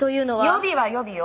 予備は予備よ。